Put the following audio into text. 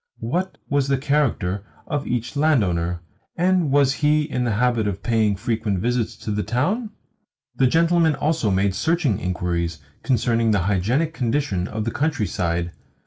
What was the character of each landowner, and was he in the habit of paying frequent visits to the town? The gentleman also made searching inquiries concerning the hygienic condition of the countryside.